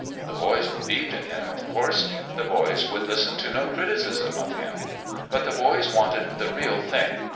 The boys believed in him, of course : the boys would listen to no criticism of him. But the boys wanted the "real thing."